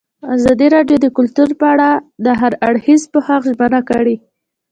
ازادي راډیو د کلتور په اړه د هر اړخیز پوښښ ژمنه کړې.